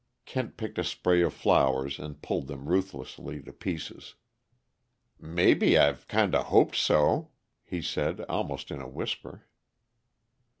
Kent picked a spray of flowers and puled them ruthlessly to pieces. "Maybe I've kinda hoped so," he said, almost in a whisper.